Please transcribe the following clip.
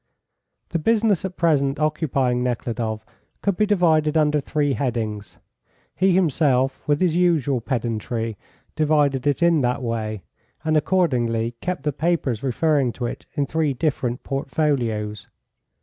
The business at present occupying Nekhludoff could be divided under three headings. He himself, with his usual pedantry, divided it in that way, and accordingly kept the papers referring to it in three different portfolios.